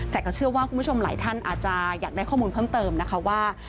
แต่ก็เชื่อว่าคุณผู้ชมหลายท่านอาจจะอยากได้ข้อมูลเพิ่มเติมนะคะว่า